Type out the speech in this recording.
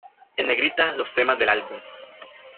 En negrita los temas del álbum.